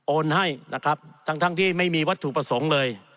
ให้นะครับทั้งที่ไม่มีวัตถุประสงค์เลย